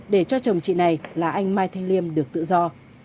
để cho chồng chị này là anh mai thanh liêm được tự do